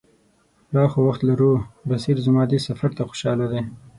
لا خو وخت لرو، بصیر زما دې سفر ته خوشاله دی.